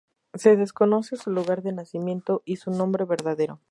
Se desconoce su lugar de nacimiento y su nombre verdadero.